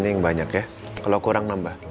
ini yang banyak ya kalau kurang nambah